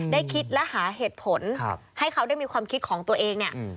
ได้คิดและหาเหตุผลให้เขาได้มีความคิดของตัวเองเนี่ย